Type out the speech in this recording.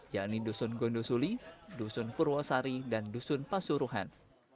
yaitu dusun gondosuli dusun purwosari dan dusun pasuruhan